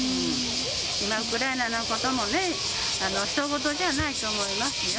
今、ウクライナのこともね、ひと事じゃないと思いますよ。